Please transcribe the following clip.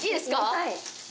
はい。